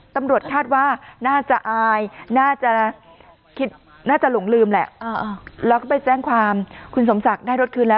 ตำรวจคาดว่าน่าจะอายน่าจะคิดน่าจะหลงลืมแหละแล้วก็ไปแจ้งความคุณสมศักดิ์ได้รถคืนแล้ว